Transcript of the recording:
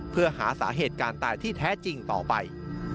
เพื่อหาสาเหตุการณ์ตายที่แท้จริงต่อไป